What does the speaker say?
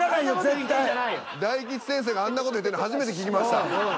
大吉先生があんな事言うてんの初めて聞きました。